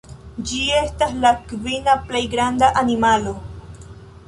Ĝi estas la kvina plej granda animalo.